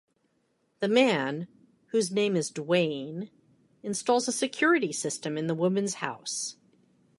The man, whose name is Duane, installs a security system in the woman's house.